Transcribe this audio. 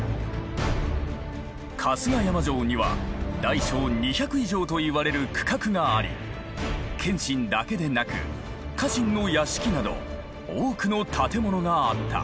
春日山城には大小２００以上といわれる区画があり謙信だけでなく家臣の屋敷など多くの建物があった。